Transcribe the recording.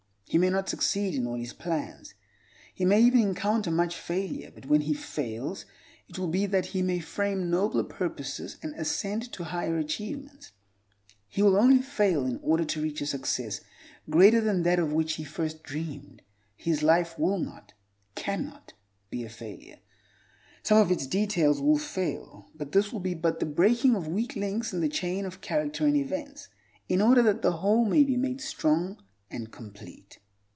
He may not succeed in all his plans. He may even encounter much failure; but when he fails, it will be that he may frame nobler purposes and ascend to higher achievements. He will only fail in order to reach a success greater than that of which he first dreamed. His life will not, cannot, be a failure. Some of its details will fail, but this will be but the breaking of weak links in the chain of character and events, in order that the whole may be made more strong and complete.